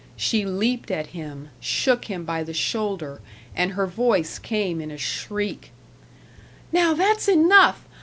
She leaped at him, shook him by the shoulder, and her voice came in a shriek: "Now that's enough.